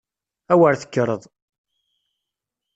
A wer tekkreḍ!